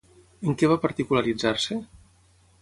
En què va particularitzar-se?